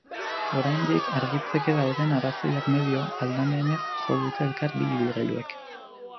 Oraindik argitzeke dauden arrazoiak medio, aldamenez jo dute elkar bi ibilgailuek.